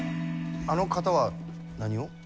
あの方は何を？